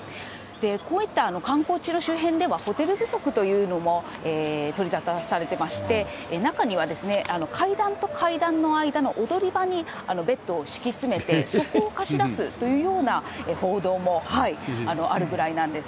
こういった観光地の周辺では、ホテル不足というのも取り沙汰されていまして、中には階段と階段の間の踊り場にベッドを敷き詰めてそこを貸し出すというような報道もあるぐらいなんです。